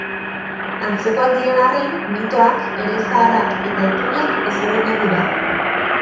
Antzekoak diren arren, mitoak, elezaharrak eta ipuinak ezberdinak dira.